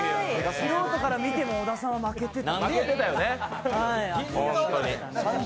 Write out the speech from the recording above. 素人から見ても、小田さんは負けてたな。